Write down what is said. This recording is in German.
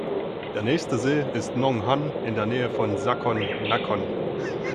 Der nächste See ist Nong Han in der Nähe von Sakon Nakhon.